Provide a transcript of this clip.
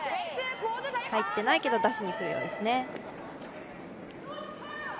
入ってないけど出しにくるようですね。